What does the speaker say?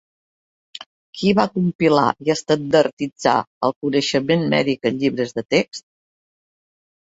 Qui va compilar i estandarditzar el coneixement mèdic en llibres de text?